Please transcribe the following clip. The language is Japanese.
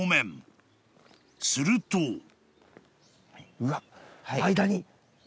［すると］うわ間に。